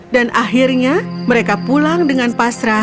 dan akhirnya mereka pulang dengan pasrah